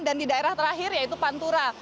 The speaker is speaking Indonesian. dan di daerah terakhir yaitu pantura